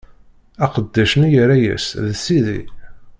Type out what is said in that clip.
Aqeddac-nni yerra-yas: D sidi!